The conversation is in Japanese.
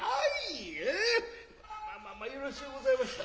まあまあよろしゅうございました。